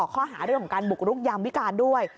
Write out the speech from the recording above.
ข้อหาเรื่องของการบุกรุกยามวิการด้วย